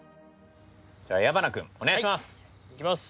じゃあ矢花君お願いします！